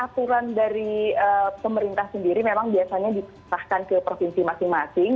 aturan dari pemerintah sendiri memang biasanya disahkan ke provinsi masing masing